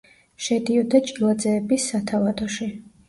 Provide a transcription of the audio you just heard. შედიოდა ჭილაძეების სათავადოში.